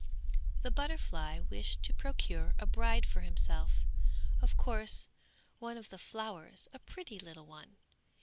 The butterfly wished to procure a bride for himself of course, one of the flowers a pretty little one.